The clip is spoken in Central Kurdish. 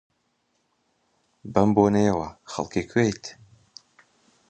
بەم بۆنەیەوە، خەڵکی کوێیت؟